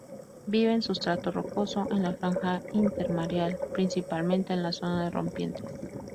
Vive en substrato rocoso en la franja intermareal, principalmente en la zona de rompientes.